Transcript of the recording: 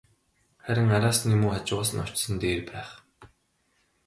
Харин араас нь юм уу, хажуугаас нь очсон нь дээр байх.